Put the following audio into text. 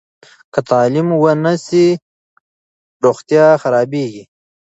که تعلیم ونه سي، روغتیا خرابېږي.